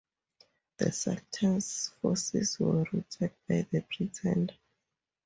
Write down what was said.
The Sultan's forces were routed by the pretender.